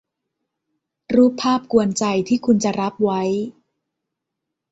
รูปภาพกวนใจที่คุณจะรับไว้